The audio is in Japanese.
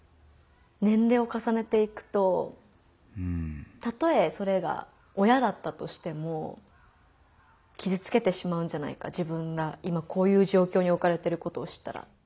年齢をかさねていくとたとえそれが親だったとしても傷つけてしまうんじゃないか自分が今こういう状況におかれてることを知ったら。